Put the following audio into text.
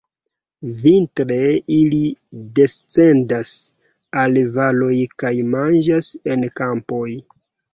Vintre ili descendas al valoj kaj manĝas en kampoj.